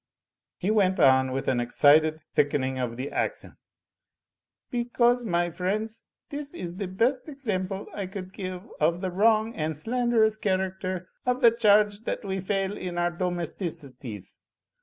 He went on with an excited thickening of the accent. "Because, my friends, this is the best example I could give of the wrong and slanderous character of the charge that we fail in our domesticities.